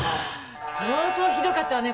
相当ひどかったわね